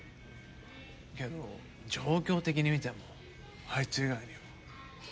けど状況的に見てもあいつ以外には。